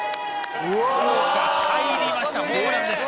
入りましたホームランです。